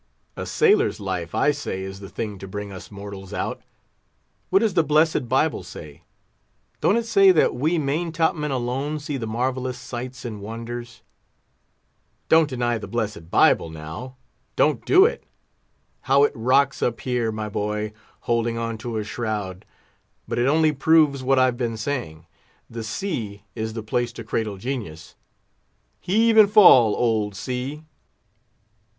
A sailor's life, I say, is the thing to bring us mortals out. What does the blessed Bible say? Don't it say that we main top men alone see the marvellous sights and wonders? Don't deny the blessed Bible, now! don't do it! How it rocks up here, my boy!" holding on to a shroud; "but it only proves what I've been saying—the sea is the place to cradle genius! Heave and fall, old sea!"